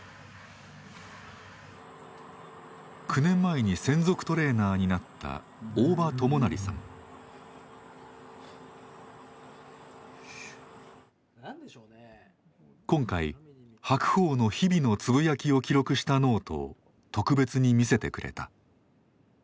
９年前に専属トレーナーになった今回白鵬の日々のつぶやきを記録したノートを特別に見せてくれた。